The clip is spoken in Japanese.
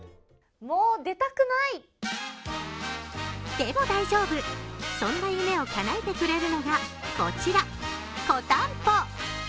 でも大丈夫、そんな夢をかなえてくれるのがこちら、こたんぽ。